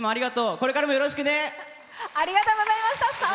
これからも、よろしくね！